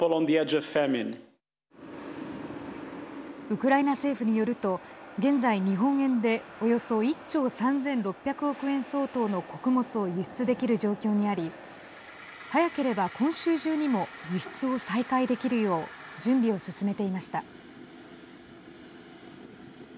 ウクライナ政府によると現在、日本円でおよそ１兆３６００億円相当の穀物を輸出できる状況にあり早ければ今週中にも輸出を再開できるよう準備を進めていました。